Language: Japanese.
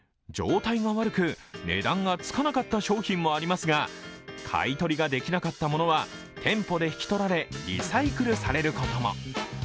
状態が悪く、値段がつかなかった商品もありますが買い取りができなかったものは店舗で引き取られリサイクルされることも。